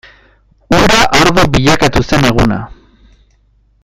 Ura ardo bilakatu zen eguna.